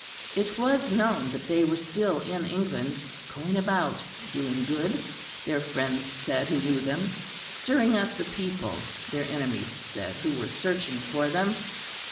It was known that they were still in England, going about doing good, their friends said who knew them; stirring up the people, their enemies said who were searching for them.